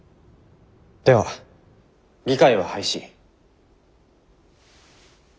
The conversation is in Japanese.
では議会は廃止。